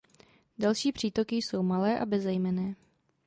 Další přítoky jsou malé a bezejmenné.